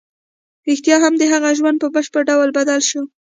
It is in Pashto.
رښتیا هم د هغه ژوند په بشپړ ډول بدل شو